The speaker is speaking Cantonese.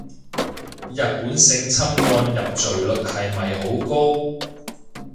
日本性侵案入罪率係咪好高